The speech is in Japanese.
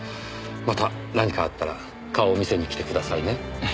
また何かあったら顔を見せに来てくださいね。